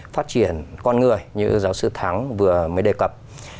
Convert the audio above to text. phát triển con người như giáo sư thắng vừa mới đề cập